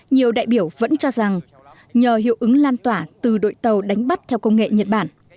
nhiều đại biểu vẫn cho rằng nhờ hiệu ứng lan tỏa từ đội tàu đánh bắt theo công nghệ nhật bản